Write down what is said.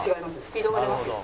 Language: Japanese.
スピードが出ますよ。